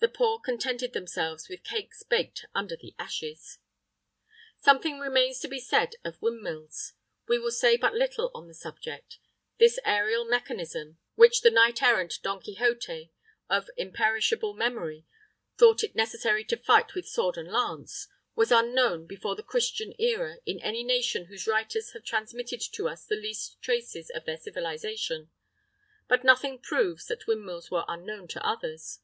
The poor contented themselves with cakes baked under the ashes.[III 47] Something remains to be said of windmills. We will say but little on the subject: this aerial mechanism which the knight errant, Don Quixote, of imperishable memory, thought it necessary to fight with sword and lance was unknown before the Christian era in any nation whose writers have transmitted to us the least traces of their civilisation; but nothing proves that windmills were unknown to others.